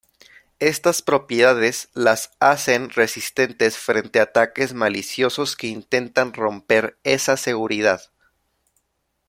Estas propiedades las hacen resistentes frente ataques maliciosos que intentan romper esa seguridad.